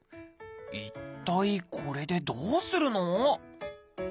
一体これでどうするの？